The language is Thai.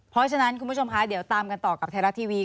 เพราะฉะนั้นคุณผู้ชมคะเดี๋ยวตามกันต่อกับไทยรัฐทีวี